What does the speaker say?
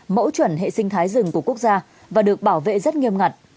mẫu chuẩn hệ sinh thái rừng của quốc gia và được bảo vệ rất nghiêm ngặt